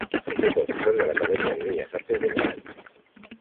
Fue profesor de la Academia de Bellas Artes de Múnich.